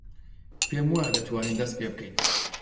پێم وایە دەتوانین دەست پێ بکەین.